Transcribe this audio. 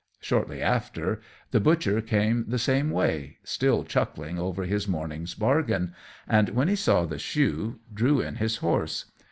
Shortly after, the butcher came the same way, still chuckling over his morning's bargain, and when he saw the shoe, drew in his horse.